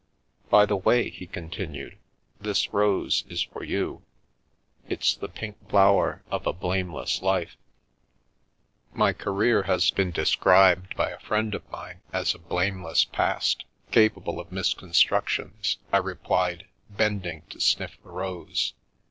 " By the way," he continued, " this rose is for you. It's the pink flower of a blameless life." 105 The Milky Way " My career has been described by a friend of mine as a blameless past, capable of misconstructions/' I re plied, bending to sniff the rose.